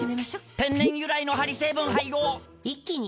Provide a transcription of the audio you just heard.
天然由来のハリ成分配合一気に！